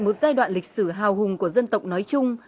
một giai đoạn lịch sử hào hùng của dân tộc nói chung